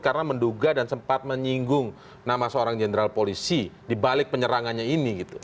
karena menduga dan sempat menyinggung nama seorang general polisi dibalik penyerangannya ini gitu